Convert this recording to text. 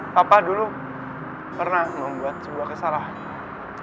bapak dulu pernah membuat sebuah kesalahan